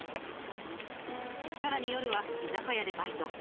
さらに夜は居酒屋でバイト。